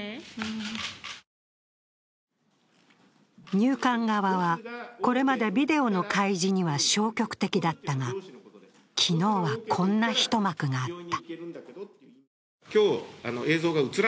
入管側はこれまでビデオの開示には消極的だったが昨日は、こんな一幕があった。